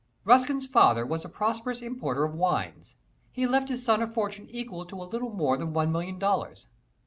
Ruskin's father was a prosperous importer of wines. He left his son a fortune equal to a little more than one million dollars.